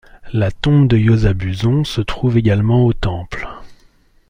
La tombe de Yosa Buson se trouve également au temple.